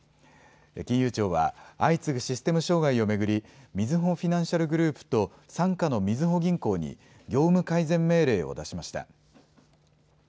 金融庁は、相次ぐシステム障害を巡り、みずほフィナンシャルグループと、参加のみずほ銀行に業務改善命令を出しました。